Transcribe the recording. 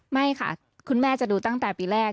ไม่ค่ะคุณแม่จะดูตั้งแต่ปีแรก